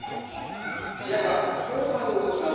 試合は後半動きます。